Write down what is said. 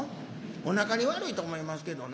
おなかに悪いと思いますけどな。